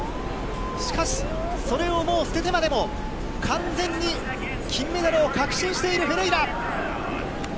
しかし、それをもう捨ててまでも、完全に金メダルを確信しているフェレイラ。